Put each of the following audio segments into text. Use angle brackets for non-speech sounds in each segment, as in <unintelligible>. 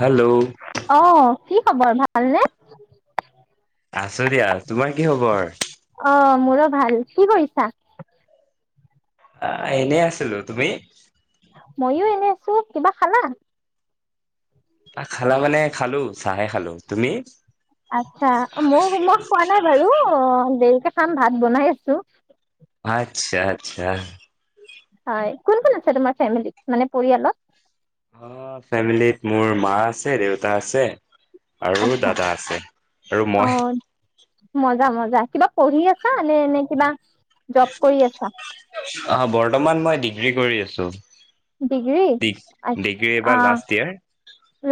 Hello অ', কি খবৰ ভালনে? আছো দিয়া তোমাৰ কি খবৰ। অ', মোৰো ভাল কি কৰিছা? অ 'এনেই আছিলো তুমি মইো এনে আছো কিবা খালা ত খালা মানে খালো চাহে খালো তুমি? আচছা মই মই খোৱা নাই বাৰু অ' দেৰিকে খাম ভাত বনাই আছো আচ্ছা -আচ্ছা হয় কোন -কোন আছে তোমাৰ ফেমিলিত? মানে পৰিয়ালত অ 'ফেমিলত মোৰ মা আছে। দেউতা আছে।। আৰু আচ্ছা দাদা আছে আৰু মই। অ', মজা মজা কিবা পঢ়ি আছা? নে এনে কিবা? জব কৰি আছা? আহ বৰ্তমান মই ডিগ্ৰী কৰি আছোঁ। ডিগ্ৰী ডি অ', ডিগ্ৰী এই বাৰ last year.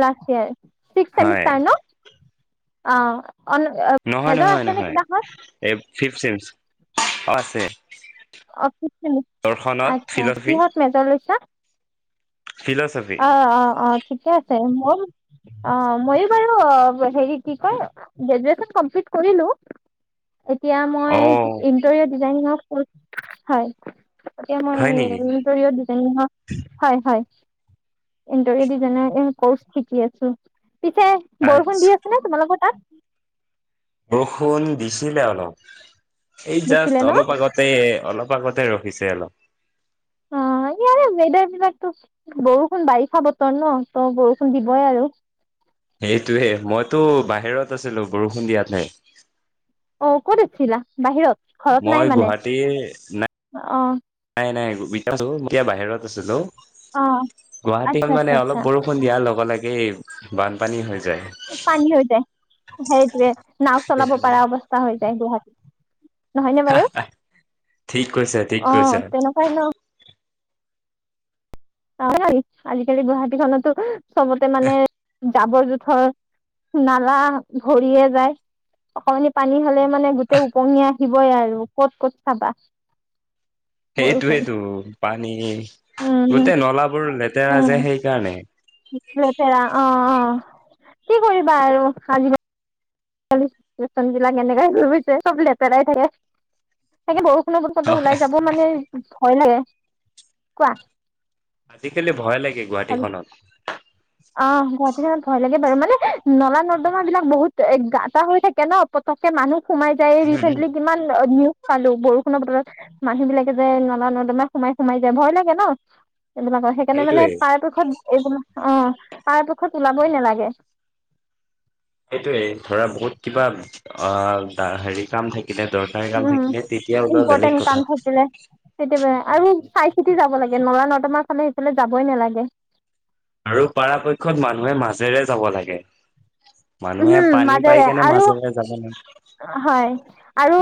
Last year. Six semester নহ। অ। অন নহয় মেজৰ নহয় আছে নে নহয় কিবাহত? এই ফিফ্ট ছেম অ আছে। অ ফিফ্ট চেম দৰ্শনত আচ্ছা ফিলচফি কিহত মেজৰ লৈছা? ফিলচফি অ অ অ ঠিকে আছে। <unintelligible> অ মইও বাৰু হেৰী কি কয় গ্ৰেজুৱেচন কমপ্লিট কৰিলোঁ। এতিয়া অ মই ইণ্টেৰিয়ৰ ডিজাইনিঙত। কোৰ্চ হয়। এতিয়া মই হয় নেকি ইণ্টেৰিয়ৰ ডিজাইনিঙত, হয় হয়। ইণ্টেৰিয়ৰ ডিজাইনৰ কোৰ্চ শিকি আছোঁ। পিছে বৰষুণ আচ্ছা দি আছে নে তোমালোকৰ তাত। বৰষুন দিছিলে অলপ। এই দিছিলে জাষ্ট ন অলপ আগতে অলপ। অলপ আগতে ৰখিছে অলপ। অ' ইয়াৰে ওৱেডাৰ বিলাকতো বৰষুণ বাৰিষা বতৰ নহ ত বৰষুণ দিবই আৰু। সেইটোৱে মইতো বাহিৰত আছিলো বৰষুণ দিয়াতে। অ ক'ত আছিলা বাহিৰত। ঘৰত নাই মই মানে গুৱাহাটীৰ অ' নাই নাই নাই। <unintelligible> তেতিয়া বাহিৰত আছিলো। অ' <inaudible> গুৱাহাটী আচ্ছা খন আচ্ছা মানে আচ্ছা অলপ বৰষুণ দিয়াৰ লগে লগে। সেই বানপানী হয়। পানী হৈ যায়।। সেইটোৱে। নাওঁ চলাব সেইটোৱে পৰা অৱস্থা হয়। এই গুৱাহাটী। নহয়নে বাৰু ঠিক কৈছা ঠিক অ কৈছা তেনেকুৱাই নহ। <unintelligible> আজিকালি গুৱাহাটী খনটো চবতে মানে। জাবৰ -জোঁথৰ নলা ভৰিয়ে যায় অকমান পানী হ'লে মানে গোটেই উপঙি আহিবই আৰু ক'ত ক'ত চাবা। সেইটোৱে বৰষুণ টো পানী উম গোটেই নলা। বোৰ লেতেৰা যে উম সেইকাৰণে। লেতেৰা অ অ। কি কৰিবা আৰু আজি লৰা ছোৱালীবিলাক এনেকে ঘুই ফুৰিছে চব লেতেৰাই থাকে, তাকে বহুত কোনো কতো ওলাই যাব মানে ভয় লাগে, কোৱা। আজিকালি ভয় লাগে। গুৱাহাটীখনত। অ গুৱাহাটীখনত ভয় লাগে বাৰু, মানে নলা নৰ্দমাবিলাক বহুত গাটা হৈ থাকে ন পতককে মানুহ সোমাই যায় ৰিচেণ্টলি কিমান নিউ পালো বৰষুণৰ বতৰত মানুহবিলাকে যে নলা নদমা সোমাই সোমাই যায় ভয় লাগে ন। এইবিলাকত সেই কাৰণে মানে সেইটোৱে পাৰাপক্ষত এইবিলাক অ পাৰা পক্ষত ওলাবই নালাগে। সেইটোৱে ধৰা বহুত কিবা অ হেৰি কাম থাক থাকিলে দৰকাৰী কাম উম থাকিলে তেতিয়া ওলোৱা ইম্পৰ্টেণ্ট বেলেগ কাম কথা থাকিলে কেতিয়াবা আৰু চাই চিতি যাব লাগে নলা নৰ্দমা ফালে সেইফালে যাবই নালাগে। আৰু পাৰাপক্ষত মানুহে মাজেৰে যাব লাগে। মানুহে উম পানী মাজেৰে পাই কেনে আৰু মাজে মাজে যাব <unintelligible> হয় আৰু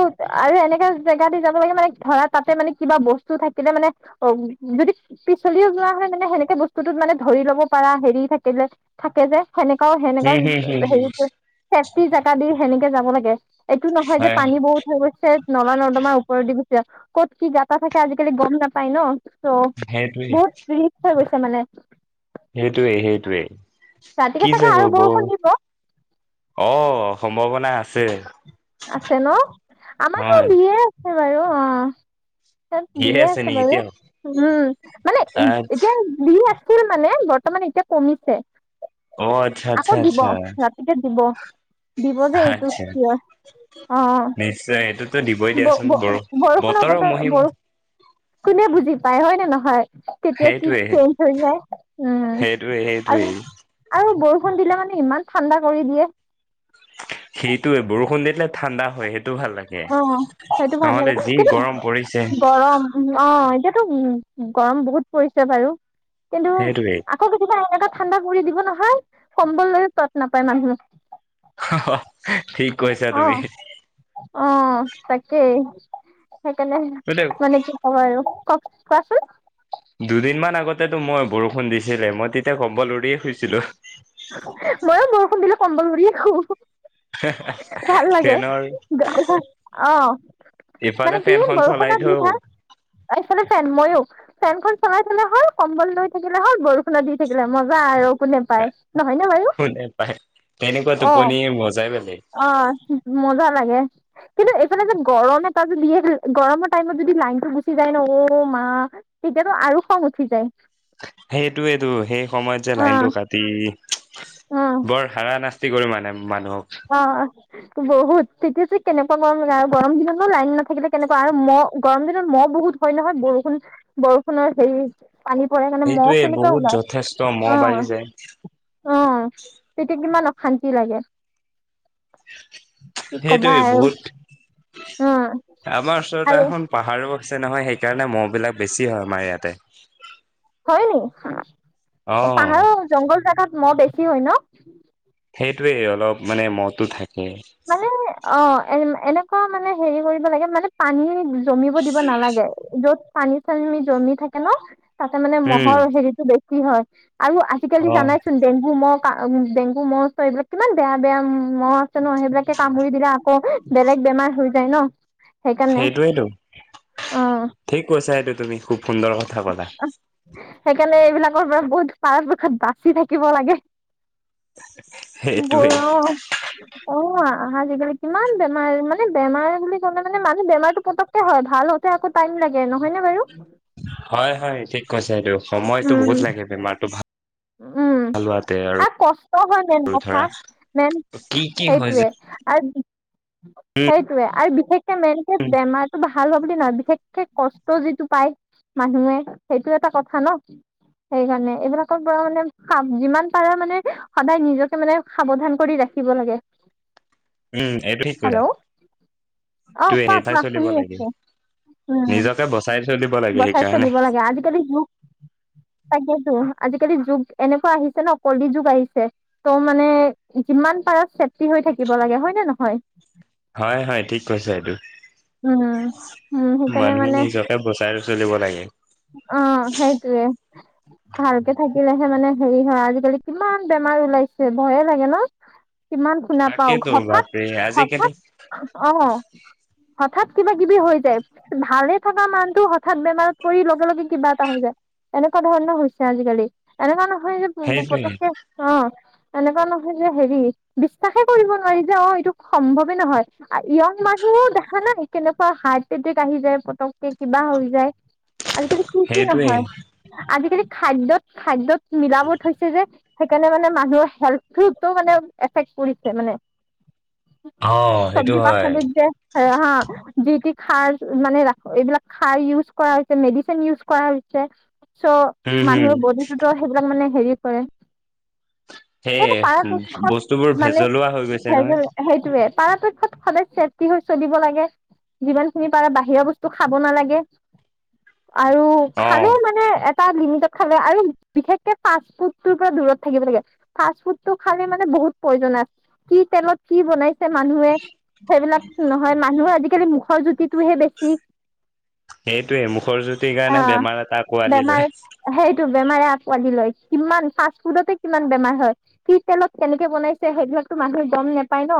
আৰু এনেকা জেগা দি যাব লাগে মানে ধৰা তাতে মানে কিবা বস্তু থাকিলে মানে অ যদি পিছলিও যোৱা হয় মানে হেনেকে বস্তুটোত মানে ধৰি লব পাৰা হেৰি থাকিলে থাকে যে হেনেকাও হেনেকাও হম হম হম হম হেৰি পি জেগাদি হেনেকে যাব লাগে এইটো নহয় যে হয় পানী বহুত হৈ গৈছে নলা নৰ্দমাৰ ওপৰত দি ক'ত কি গাতা থাকে আজিকালি গম নাপায় ন। চ সেইটোৱেই বহুত বিৰিছ হৈ গৈছে। ছে মানে সেইটোৱেই সেইটোৱেই ৰাতিকে কি চাগে যে আৰু হব বৰষুণ দিব অ সম্ভাৱনা আছ ছে আছে ন আমাকে দিয়ে বাৰু অ। তাত দিয়ে বিয়ে আছে নেকি বাৰু, এতিয়াও উম মানে আচ্ছা এতিয়া দিয়ে আছ ছি মানে বৰ্তমান এতিয়া কমিছে। অ আচ্ছা আকৌ আচ্ছা দিব আচ্ছা ৰাতিতে দিব দিব যে এইটো আচ্ছা চিয়ৰ। অ নিশ্চয় এইটোতো দিবই ব দিয়াচোন ব বৰষ বৰষুণৰ বতৰৰ বতৰ মহিমা বৰষুণ কোনে বুজি পায়? হয় নে নহয়? তেতিয়া কি সেইটোৱে চেঞ্জ হৈ যায় উম, সেইটোৱে আৰু সেইটোৱেই আৰু বৰ ষুন দিলে মানে ইমান ঠাণ্ডা কৰি দিয়ে। সেইটোৱে বৰষুণ দি দিলে ঠাণ্ডা হয় সেই অ', সেইটো ভাল লাগে যি কিন্ত গৰম পৰিছে গৰম উম, অ', এতিয়া টো উম, গৰম বহুত পৰিছে বাৰু। কিন্তু সেইটোৱে আকৌ কেতিয়াবা এনেকা ঠাণ্ডা কৰি দিব নহ ভাই কম্বল লৈ ত'ত নাপায় মানুহ। <inaudible> ঠিক কৈছা অ তুমি। অ', তাকেই। সেইকাৰণে বোলে মানে কি ক'ব আৰু কওঁক। কোৱাচোন। দুদিন মান আগতেটো মই বৰষুণ দিছিলে মই তেতিয়া কম্বল উৰিয়ে শুইছিলোঁ। ময়ো বৰষুণ দিলে কম্বল উৰিয়ে শু। ভাল লাগে ফেনৰ গাউ ভা অ'। ইফালে মানে কি ফেনখন বৰষুণত চলাই থওঁ ভিজা, এইফালে ফেন ময়ো ফেনখন চলাই থলে হ'ল, কম্বল লৈ থাকিলে হ'ল, বৰষুণত দি থাকিলে মজা আৰু। কোনে পায়। নহয় নে বাৰু কোনে পায়? তেনেকুৱা অ টোপনিয়ে মজাই বলেগ! অ মজা লাগে। কিন্তু এইফালে যে গৰম এটা যে দিয়ে যে, গৰমৰ টাইমত যদি লাইনতটো গুচি যায় ন, অ', মা! তেতিয়াতো আৰু খং উঠি যায়। সেইটোৱেইতো, সেই সময়ত যে অ লাইনতটো কাটি অ বৰ হাৰানাস্তি কৰো মানে আম মানুহক। অ' বহুত! তেতিয়াযে কেনেকুৱা গৰম লাগে, আৰু গৰম দিনতো লাইন নাথাকিলে কেনেকুৱা আৰু মহ, গৰম দিনত মহ বহুত হয় নহয়। বৰষুণ-বৰষুণৰ হেৰি পানী পৰে কাৰণে মহ সেইটোৱে কেনেকুৱা বহুত ওলাই যথেষ্ট মহ বাঢ়ি অ' যায়। অ', তেতিয়া কিমান অশা শান্তি লাগে। কি কবা সেইটোৱে আৰু বহুত। উম আমাৰ ওচৰতে আৰু এখন পাহাৰো আছে নহয়। সেইকাৰণে মহ বিলাক বেছি হয় আমাৰ ইয়াতে। হয় নি? অ', পাহাৰো জংঘল জাগাত মই বেছি হয় ন'। সেইটোৱে অলপ মানে মতো থাকে, মানে অ এ এনে আকৌ মানে হেৰি কৰিব লাগে মানে পানী জমিব দিব নালাগে য'ত, পানী চানী জমি থাকে ন তাতে মানে উম, মহৰ হেৰিতো বছ কি হয়? আৰু আজিকালি অ', জানাইচোন ডেংগু মহ ডেংগু মছ এইবিলাক কিমান বেয়া বেয়া ম ন সেইবিলাকে কামুৰি দিলে আকৌ বেলেগ বেমাৰ হৈ যায় ন সেইকাৰণে সেইটয়েইতো অ ঠিক কৈছা এইটো <inaudible> সুন্দৰ কথা ক'লা। কেনে এইবিলাকৰ পৰা বহুত পাৰতপক্ষত বাচি থাকিব লাগে। ব, সেইটোৱে অ' অ! ! আহ আজিকালি কিমান বেমাৰ মানে বেমাৰ বুলি কলে মানে মানহ বেমাৰটো পতককে হয় ভাল হওঁতে আকৌ টাইম লাগে নহয় নে বাৰু হয় হয় ঠিক কৈছে, আৰুটো সময়তো উম, বহুত লাগে বেমাৰতটো ভাল উম আৰু কষ্ট হয় মেইন কথা ধৰা মেন কি কি হৈ যে সেইটোৱে আৰু উম, সেইটোয়ে আৰু বিশেষ মেনকে উম, বেমাৰটো ভাল হ বুলি নহয় বিশেষকে কষ্ট যিটো পায় মানুহে সেইটো এটা কথা ন সেইকাৰণে এইবিলাক পৰা মানে যিমান পাৰা মানে সদায় নিজকে মানে সাৱধান কৰি ৰাখিব লাগে। উম এইটো কিক হেল্ল' অ তয়ে কোৱা সেইঠাই কোৱা চলিব শুনি লাগিল আছো উম নিজকে বচাই চলিব লাগে বচাই সেইকাৰণে চলিব লাগে, আজিকালি য তাকে আজিকালি যুগ এনেকুৱা আহিছে ন অকলি যুগ আহিছে, ত' মানে যিমান পাৰা চেফটি হৈ থাকিব লাগে হয় নে নহয়। হয়, হয় ঠিক কৈছা এইটো। উম! উম সেইকাৰণে মানুহে মানে নিজকে বচাই চলিব লাগে। অ সেইটি ভালকে থাকিলেহে মানে হেৰি হয় আজিকালি কিমান বেমাৰ ওলাইছে ভয়ে লাগে ন, কিমান শুনা পাও তাকেতো হঠাৎ বাপৰে আজিকালি হঠাৎ, অ! হঠাৎ কিবা কিবি হৈ যায় ভালে থকা মানটো হঠাৎ বেমাৰ। পৰি লগে লগে কিবা এটা হৈ যায় এনেকুৱা ধৰণৰ হৈছে আজিকালি এনেধৰণৰ। হয়নে পঙ্গু সেইটোৱে পতককে অ এনেকুৱা নহয় যে হেৰি বিশ্বাসে কৰিব এনেকুৱা নহয় যে হেৰি বিশ্বাসে কৰিব নোৱাৰি যে অ এইটো সম্ভৱে নহয় য়ং মানুহো দেখা নাই কেনেকুৱা হাৰ্ট এটেক আহি যায় পতককে কিবা হৈ যায় আজিকালি কি কি সেইটোৱে। নহয় আজিকালি খাদ্যত খাদ্যত মিলাব থৈছে যে সেইকাৰণে মানে মানুহৰ হেল্থটো মানে এফেক্ট কৰিছে মানে। অ সেইটো চব্জি হয়। পাচলিত যে সেৱা হা যি তি খাৰ মানে ৰা এইবিলাক খাৰ ইউজ কৰা মেডিচিন ইউজ কৰা হৈছে চ' উম হুম মানুহৰ বডি ত সেইবিলাক মানে হেৰি পৰে সেয়ে বস্তুবোৰ ভেজলোৱা হৈ গৈছে নহয়। পাৰা পক্ষত সদায় চেফটি হৈ চলিব লাগে, যিমান খিনি পাৰা বাহিৰা বস্তু খাব নালাগে। আৰু অ খালে মানে এট চাহ বিনিতত খালে আৰু বিশেষকে ফাষ্টফুড টোৰ পৰা দূৰত থাকিব লাগে ফাষ্ট ফুডটো খালে মানে বহুত প্ৰয়োজন আছে কি তেলত কি বনায়। সেই মানুহে সেইবিলাক। নহয় মানুহ আজিকালি মুখৰ জুতিত টোৰহে বেছি টোৱে মুখৰ জুতিৰ কাৰণে বেমাৰত আকোৱালি লয়। টো বেমাৰে আঁকোৱালি লয় কিমান ফাষ্ট ফুডতে কিমান বেমাৰ হয় কি তেলত কেনেকে বনাইছে সেইবিলাকটো মানুহে গম নেপায় ন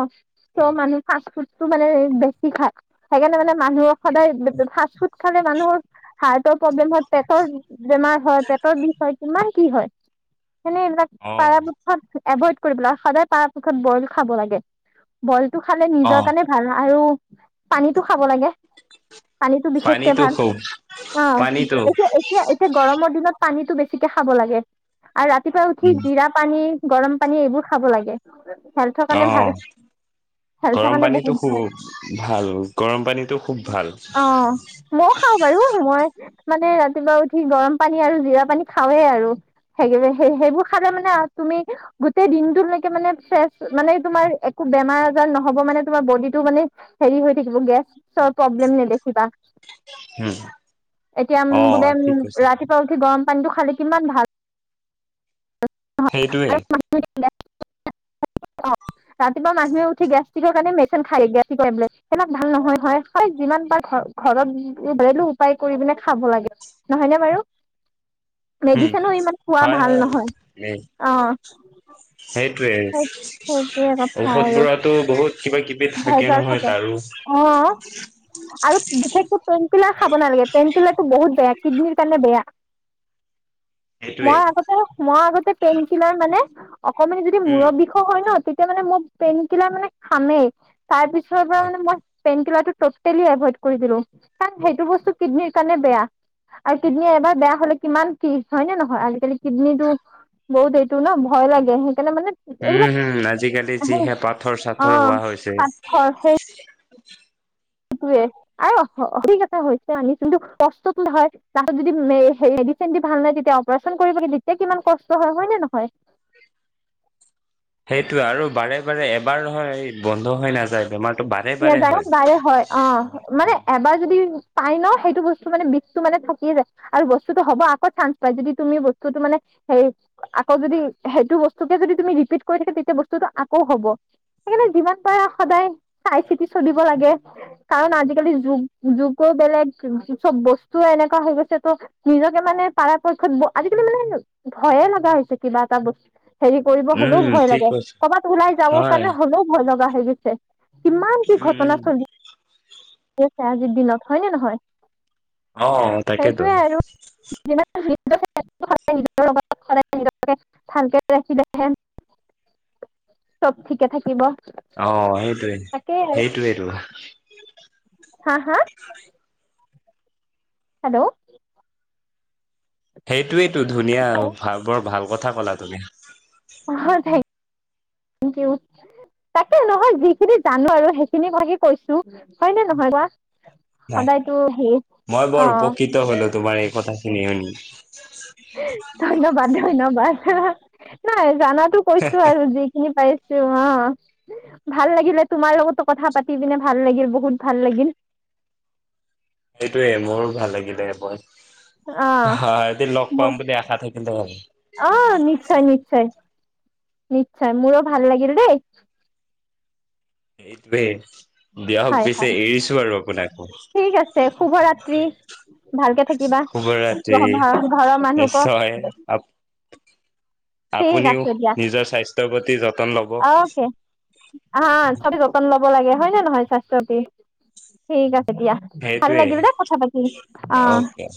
চ মানুহ ফাষ্ট ফুডটো পালে বেছি খায় হেকাৰনে মানে মানুহ সদায় ফাষ্ট ফুড খালে মানুহৰ হাৰ্টৰ প্ৰব্লেম হয়, পেটৰ বেমাৰ হয়, পেটৰ বিষ হয় কিমান কি হয়। সেকানে এইবিলাক অ পাৰা পক্ষত এভইড কৰিম ন সদায় পাৰা পক্ষত বইল খাব লাগে বইল টো খালে অ নিজৰ কাৰণে ভাল আৰু পানীটো খাব লাগে পানীতো বিশেষ পানীটো ভাত খুব অ পানীটো এতিয়া এতিয়া এতিয়া গৰমৰ দিনত পানীটো বেছিকে সাব লাগে আৰু ৰাতিপুৱা উঠি উম জিৰা পানী গৰম পানী এইবোৰ খাব লাগে হেল্থৰ অ কাৰণে ভাল হেল্থৰ গৰম কাৰণে পানী বহুত খুব ভাল ভাল গৰম পানীটো খুব ভাল অ মইও খাওঁ বাৰু মই মানে ৰাতিপুৱা উঠি গৰম পানী আৰু জিৰা পানী খাওৱে আৰু সেই সেই সেইবোৰ খালে মানে তুমি গোটেই দিনটোলৈকে মানে ফ্ৰেচ মানে তোমাৰ একো বেমাৰ আজাৰ নহ'ব মানে তোমাৰ বডিটো মানে হেৰি হৈ থাকিব গেছ চ প্ৰব্লেম নে দেখিবা উম এতিয়া অ বোলে উম ঠিক কৈছে ৰাতিপুৱা উঠি গৰম পানীটো খালি কিমান ভাল সেইটোৱে। <unintelligible> ৰাতিপুৱা মানুহে উঠি গেষ্ট্ৰিকৰ কাৰণে <unintelligible> খায়। <unintelligible> সেইবিলাক ভাল নহয় হয়। <unintelligible> যিমান পাৰ ঘ-ঘৰততো ঘৰেলো উপায় কৰি পিনে খাব লাগে, নহয়নে বাৰু। উম, মেডিচিনো ইমান খোৱা হয় ভাল হয়। নহয় অ' সেই-সেইটোৱে সেই সেইটোৱে <unintelligible> কথা ঔষধ আৰু বোৰতো বহুত কিবা কিবি <unintelligible> নহয় থাকে, তাৰো অ'। আৰু বিশেষকে পেনকিলাৰ খাব নালাগে, পেনকিলাৰটো বহুত বেয়া কিডনীৰ কাৰণে বেয়া। সেইটোৱে মই আগতে, মই আগতে পেনকিলাৰ মানে অকমানো যদি উম মূৰৰ বিষো হয় ন', তে তেতিয়া মানে মোৰ, পেইনকিলাৰ মানে খামেই। তাৰপিছৰ পৰা মানে মই পেইনকিলাৰটো টটেলি এভইড কৰি দিলো। কাৰণ সেইটো বস্তু কিডনীৰ কাৰণে বেয়া আৰু কিডনী এবাৰ বেয়া হলে কিমান কি হয় নে নহয়, আজিকালি কিডনীটো বহুত এইটো ন, ভয় লাগে। সেইকাৰণে মানে উম, এইবিলাক হুম, আজিকালি যিহে পাথৰ অ চাথৰ হোৱা হৈছে। পাথৰ এ <inaudible> সেইটোৱে আৰু ঠিক আছে হৈছে আনিছোঁ, কিন্তু কষ্টটো হয় তাহঁতৰ যদি মেডিচিন দি ভাল নহয় তেতিয়া অপাৰচন কৰিব তেতিয়া কিমান কষ্ট হয় হয় নে নহয়। সেইটোৱে আৰু বাৰে বাৰে বাৰ নহয় এই বন্ধ হৈ নাযায়, বেমাৰটো বাৰে বাৰে হয়। বাৰে হয় অ মানে এবাৰ যদি পাই ন' সেইটো বস্তু মানে বিষটো মানে থাকিয়ে যায় আৰু বস্তুটো হ'ব আকৌ চাণ্স পায় যদি তুমি বস্তুটো মানে হেৰি আকৌ যদি সেইটো বস্তুকে যদি তুমি ৰিপিট কৰি থাকে তেতিয়া বস্তুটো আকৌ হ'ব, সেইকাৰণে যিমান পৰা সদায় চাই চিতি চলিব লাগে কাৰণ আজিকালি যুগ-যুগৰ বেলেগ চব বস্তু এনেকুৱা হৈ গৈছে তো নিজকে মানে পৰাপক্ষত আজিকালি মানে ভয়ে লগা হৈছে কিবা এটা বস্তু। হেৰি কৰিব উম হ'লেও ভয় ঠিক লাগে কৈছে কবাত ওলাই যাবৰ হয় কাৰণে হ'লেও ভয় লাগ হৈ গিছে কিমান কি উম উম ঘটনাস্থলী আজিৰ দিনত, হয় নে নহয়? অ তাকেতো সেইটোৱে আৰু <unintelligible> <unintelligible> সদায় নিজৰ লগত, সদায় নিজকে ভালকে ৰাখিলেহে চব ঠিকে থাকিব। অ', সেইটোৱে, তাকে আৰু সেইটোৱেটো। হা, হা? হেল্ল'। সেইটোৱেইটো ধুনীয়া, ভাল বৰ ভাল। কথা ক'লা তুমি। অ হয়, থেংক থেংক ইউ। তাকে নহয় যিখিনি জানো আৰু সেইখিনি ভাগি কৈছো, হয় নে নহয় কোৱা? নাই সদায়তো সেই মই অ বৰ উপকৃত হলো তোমাৰ এই কথাখিনি শুনি। ধন্যবাদ ধন্যবাদ। হা হা নাই। জানাতো কৈছো আৰু যিখিনি পাৰিছ ছো অ, ভাল লাগিলে তোমাৰ লগতো কথা পাতি পিনে ভাল লাগিল বহুত ভাল লাগিল। সেইটোয়ে মোৰো ভাল লাগিলে এপত। অ, ম‌ই বুলি আশা থাকিলে হয় অ, নিশ্চয়-নিশ্চয়। নিশ্চয় মোৰো ভাল লাগিল দেই। এইত বে হয়-হয় আপোনাকো ঠিক আছে শুভ ৰাত্ৰি। ভালকে থাকিবা শুভৰাত্ৰি <unintelligible> ঘৰৰ মানুহকো নিশ্চয় আপ ঠিক আপুনিও আছে দিয়া নিজৰ স্বাস্থ্যৰ প্ৰতি যতন ল'ব। অ', অ', চবে যতন লব লাগে হয় নে নহয় স্বাস্থ্যৰ প্ৰতি ঠিক আছ এ দিয়া ভাল সেইটোৱেই লাগিল দে কথা পাতি অ, অকে